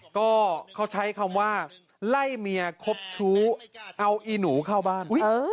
ก็เขาใช้คำว่าไล่เมียคบชู้เอาอีหนูเข้าบ้าน